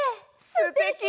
すてき！